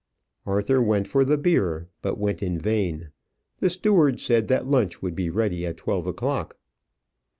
Arthur went for the beer; but went in vain. The steward said that lunch would be ready at twelve o'clock.